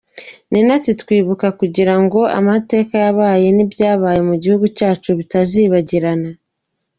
Nina ati :”Twibuka kugira ngo amateka yabaye n’ibyabaye mu gihugu cyacu bitazibagira.